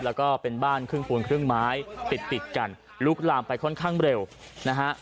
แล้วก็เป็นบ้านครึ่งปูนครึ่งไม้ติดติดกันลุกลามไปค่อนข้างเร็วนะฮะ